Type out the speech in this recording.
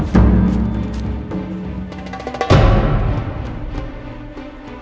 hei siapa disana